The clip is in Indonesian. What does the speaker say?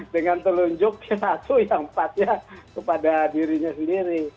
dengan telunjuk satu yang empat ya kepada dirinya sendiri